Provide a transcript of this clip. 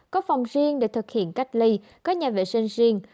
có phòng riêng để thực hiện cách ly có nhà vệ sinh riêng